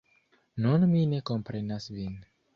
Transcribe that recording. Nun mi ne komprenas vin.